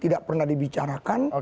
tidak pernah dibicarakan